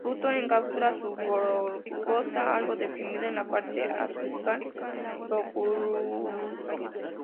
Fruto en cápsula subglobosa, algo deprimida en la parte apical, loculicida.